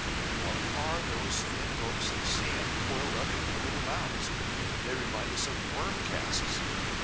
What are those thin ropes of sand coiled up into little mounds? They remind us of "worm casts."